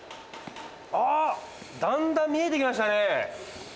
あっだんだん見えてきましたね。